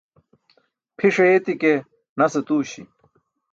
Phi̇ṣ ayeti̇ ke nas atuuśi̇.